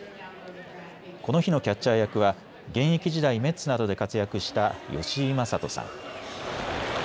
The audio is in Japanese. この日のキャッチャー役は現役時代にメッツなどで活躍した吉井理人さん。